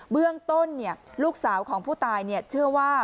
เบื้องต้นลูกสาวของผู้ตายเชื่อว่า